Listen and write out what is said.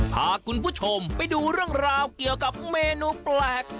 พาคุณผู้ชมไปดูเรื่องราวเกี่ยวกับเมนูแปลก